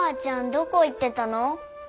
どこ行ってたの？